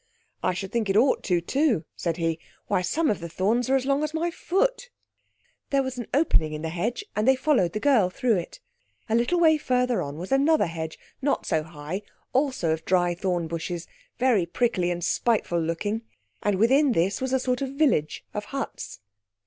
"I should think it ought to, too," said he. "Why, some of the thorns are as long as my foot." There was an opening in the hedge, and they followed the girl through it. A little way further on was another hedge, not so high, also of dry thorn bushes, very prickly and spiteful looking, and within this was a sort of village of huts.